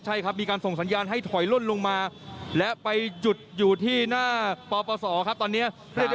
ใช่ครับมีการส่งสัญญาณให้ถอยล่นลงมาและไปหยุดอยู่ที่หน้าปปศครับตอนนี้